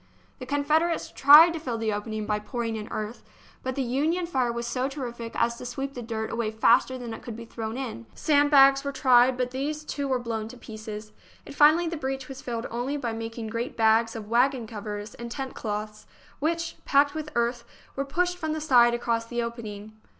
The Confederates tried to fill the opening by pour ing in earth, but the Union fire was so terrific as to sweep the dirt away faster than it could be thrown in. Sand bags were tried, but these too were blown to pieces, and finally the breach was filled only by making great bags of waggon covers and tent cloths, which, packed with earth, were pushed from the side across the opening.